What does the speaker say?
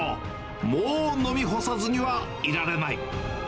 もう飲み干さずにはいられない。